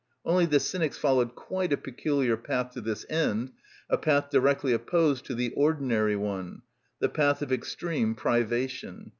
_) Only the Cynics followed quite a peculiar path to this end, a path directly opposed to the ordinary one—the path of extreme privation.